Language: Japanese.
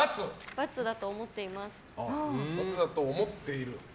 ×だと思っています。